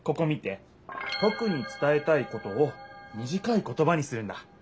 とくにつたえたいことをみじかい言葉にするんだ。